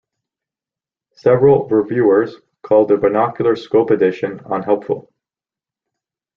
Several reviewers called the binocular scope addition unhelpful.